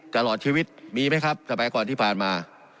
ตลอดชีวิตมีไหมครับสมัยก่อนที่ผ่านมา